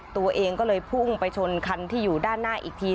ตัวเองก็เลยพุ่งไปชนคันที่อยู่ด้านหน้าอีกที